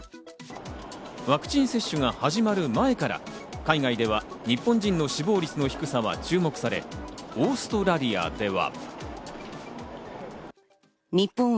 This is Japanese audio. ワクチン接種が始まる前から海外では日本人の死亡率の低さは注目され、オーストラリアでは。